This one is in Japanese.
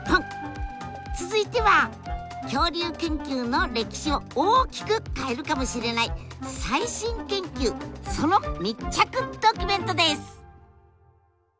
続いては恐竜研究の歴史を大きく変えるかもしれない最新研究その密着ドキュメントです！